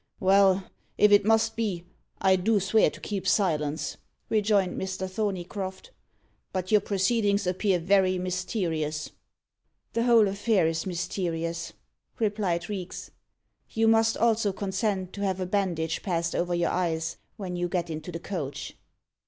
"Well, if it must be, I do swear to keep silence," rejoined Mr. Thorneycroft; "but your proceedings appear very mysterious." "The whole affair is mysterious," replied Reeks. "You must also consent to have a bandage passed over your eyes when you get into the coach."